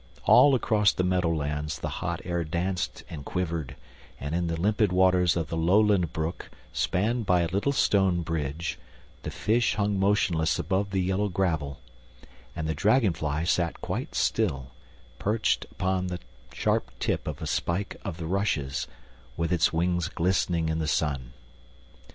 All across the meadow lands the hot air danced and quivered, and in the limpid waters of the lowland brook, spanned by a little stone bridge, the fish hung motionless above the yellow gravel, and the dragonfly sat quite still, perched upon the sharp tip of a spike of the rushes, with its wings glistening in the sun.